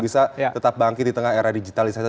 bisa tetap bangkit di tengah era digitalisasi